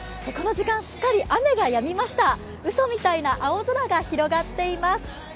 この時間、すっかり雨がやみましたうそみたいな青空が広がっています。